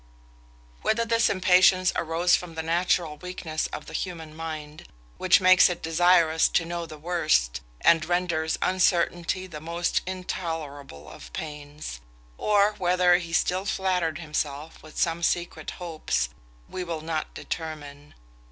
Whether this impatience arose from that natural weakness of the human mind, which makes it desirous to know the worst, and renders uncertainty the most intolerable of pains; or whether he still flattered himself with some secret hopes, we will not determine.